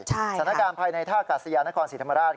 สถานการณ์ภายในท่ากาศยานครศรีธรรมราช